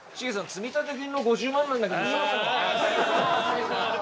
積立金の５０万なんだけど。